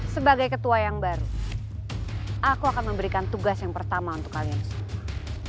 sebagai ketua yang baru aku akan memberikan tugas yang pertama untuk kalian